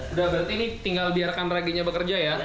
udah berarti ini tinggal biarkan rankingnya bekerja ya